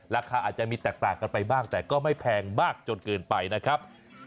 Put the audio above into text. ราคาอาจจะมีแตกต่างกันไปบ้างแต่ก็ไม่แพงมากจนเกินไปนะครับ